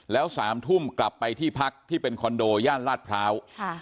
แล้ว๓ทุ่มกลับไปที่พักที่เป็นคอนโดย่านลาดพร้าว